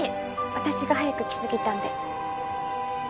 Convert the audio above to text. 私が早く来すぎたんで。